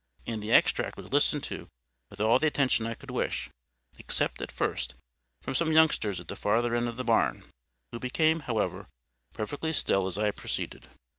And the extract was listened to with all the attention I could wish, except, at first, from some youngsters at the further end of the barn, who became, however, perfectly still as I proceeded.